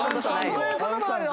そういう事もあるよ